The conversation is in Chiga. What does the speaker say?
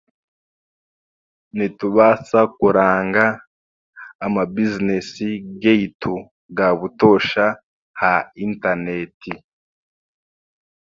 Nitubaasa kuranga amabizinesi gaitu ga butoosha ha Intaneeti.